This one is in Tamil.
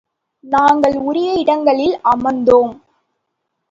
நாங்கள், உரிய இடங்களில் அமர்ந்தோம்.